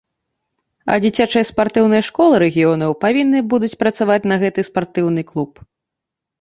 А дзіцячыя спартыўныя школы рэгіёнаў павінны будуць працаваць на гэты спартыўны клуб.